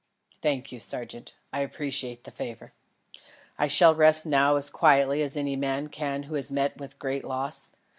"Thank you, sergeant; I appreciate the favour. I shall rest now as quietly as any man can who has met with a great loss.